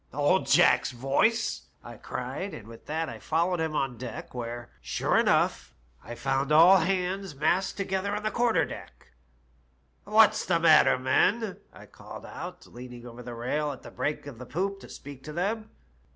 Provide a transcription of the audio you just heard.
"*01d Jack's voice?' I cried, and with that I followed him on deck, where, sure enough, I found all hands massed together on the quarter deck. "* What's the matter, men ?* I called out, leaning over the rail at the break of the poop to speak to them.